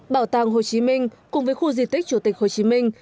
bảo tàng hồ chí minh cùng với khu di tích chủ tịch hồ chí minh